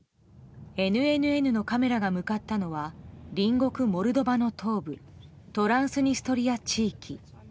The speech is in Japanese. ＮＮＮのカメラが向かったのは隣国モルドバの東部トランスニストリア地域。